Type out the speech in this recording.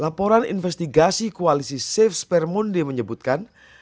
laporan investigasi koalisi safe spermonde menyebutkan